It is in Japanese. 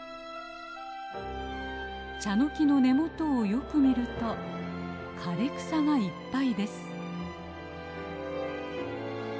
チャノキの根元をよく見ると枯れ草がいっぱいです。